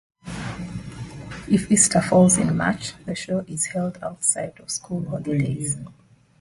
If Easter falls in March the Show is held outside of school holidays.